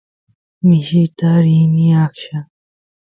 mishita rini aqlla